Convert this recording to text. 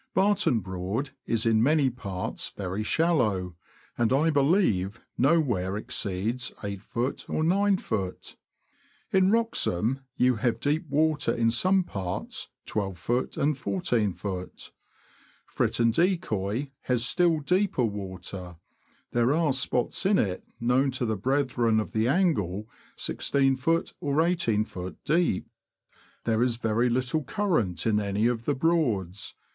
Barton Broad is in many parts very shallow, and, I believe, nowhere exceeds 8ft. or 9ft. In Wroxham you have deep water, in some parts 12ft. and 14ft. Fritton Decoy has still deeper water; there are spots in it known to the brethren of the angle, i6ft. or i8ft. deep. There is very little current in any of the Broads.